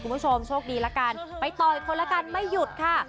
คุณผู้ชมโชคดีละกันไปต่ออีกคนละกันไม่หยุดค่ะ